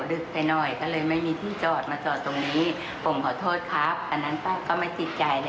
ดึกไปหน่อยก็เลยไม่มีที่จอดมาจอดตรงนี้